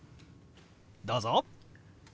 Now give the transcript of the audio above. どうぞ！